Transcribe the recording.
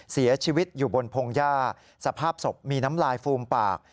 เสียชีวิตอยู่บนพงหญ้าสภาพศพมีน้ำลายฟูมปาก